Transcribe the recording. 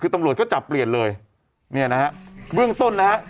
คือตำรวจก็จับเปลี่ยนเลยเนี่ยนะฮะเบื้องต้นนะฮะ